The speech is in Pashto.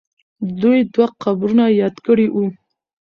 دوی دوه قبرونه یاد کړي وو.